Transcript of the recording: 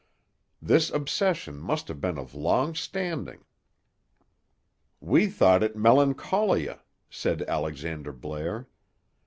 This obsession must have been of long standing." "We thought it melancholia," said Alexander Blair.